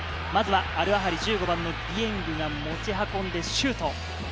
まずはアルアハリ、１５番のディエングが持ち運んでシュート。